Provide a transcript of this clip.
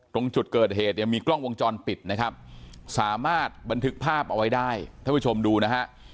ตรงจุดเกิดเหตุเนี่ยมีกล้องวงจรปิดนะครับสามารถบันทึกภาพเอาไว้ได้ท่านผู้ชมดูนะฮะ